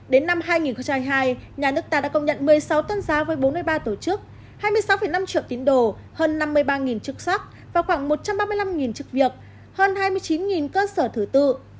đến năm hai nghìn hai mươi hai nhà nước ta đã công nhận một mươi sáu tôn giáo với bốn mươi ba tổ chức hai mươi sáu năm triệu tín đồ hơn năm mươi ba chức sắc và khoảng một trăm ba mươi năm chức việc hơn hai mươi chín cơ sở thử tự